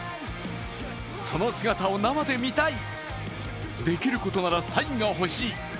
その姿を生で見たい、できることならサインが欲しい。